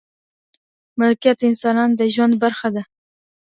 ملکیت د انسان د ژوند برخه ده.